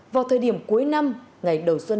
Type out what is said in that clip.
vào thời điểm cuối năm ngày đầu xuân